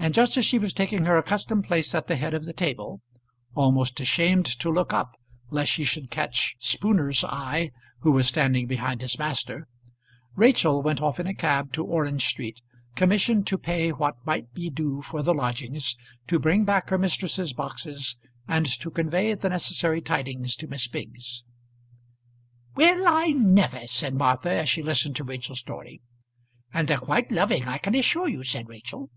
And just as she was taking her accustomed place at the head of the table, almost ashamed to look up lest she should catch Spooner's eye who was standing behind his master, Rachel went off in a cab to Orange Street, commissioned to pay what might be due for the lodgings, to bring back her mistress's boxes, and to convey the necessary tidings to Miss Biggs. "Well I never!" said Martha, as she listened to Rachel's story. "And they're quite loving I can assure you," said Rachel.